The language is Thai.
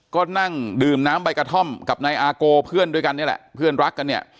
ก็นั่งดื่มน้ำใบกระท่อมกับนายอาโกเพื่อนด้วยกันนี่แหละเพื่อนรักกันเนี่ย